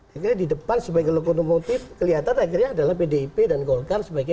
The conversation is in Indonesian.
akhirnya di depan sebagai kalaukonomotif kelihatan akhirnya adalah pdip dan golkar sebagai